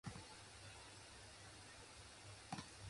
The fifth floor held a sifter, separator, and a centrifugal machine.